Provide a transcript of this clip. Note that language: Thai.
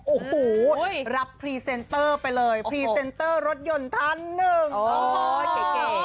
โอ้โหรับพรีเซนเตอร์ไปเลยพรีเซนเตอร์รถยนต์ท่านหนึ่งเก๋